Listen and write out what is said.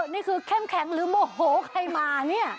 นี่คือเข้มแข็งหรือโมโหใครมาเนี่ย